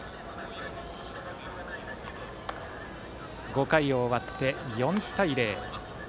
５回終わって４対０。